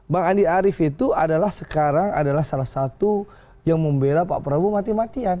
bang andi arief itu adalah sekarang adalah salah satu yang membela pak prabowo mati matian